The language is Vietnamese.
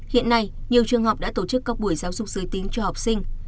hiện nay nhiều trường học đã tổ chức các buổi giáo dục giới tính cho học sinh